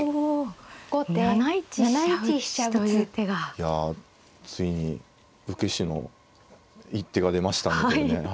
いやついに受け師の一手が出ましたね。